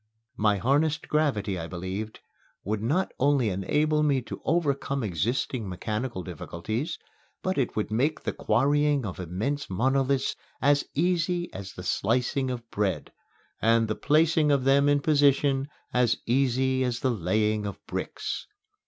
My harnessed gravity, I believed, would not only enable me to overcome existing mechanical difficulties, but it would make the quarrying of immense monoliths as easy as the slicing of bread, and the placing of them in position as easy as the laying of bricks.